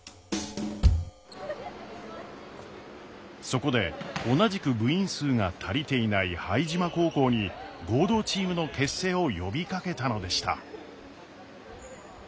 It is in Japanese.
そこで同じく部員数が足りていない拝島高校に合同チームの結成を呼びかけたのでした。